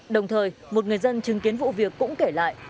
đồng thời một người dân chứng kiến vụ việc cũng kể lại